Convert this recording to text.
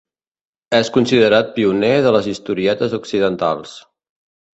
És considerat pioner de les historietes occidentals.